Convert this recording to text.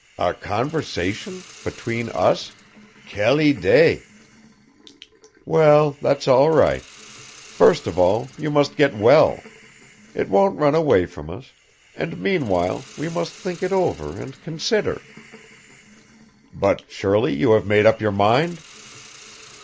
"A conversation, between us? Quelle idée!" "Well, that's all right. First of all, you must get well; it won't run away from us, and meanwhile we must think it over and consider ..." "But surely you have made up your mind?"